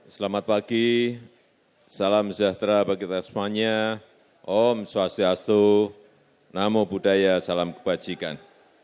selamat pagi salam sejahtera bagi kita semuanya om swastiastu namo buddhaya salam kebajikan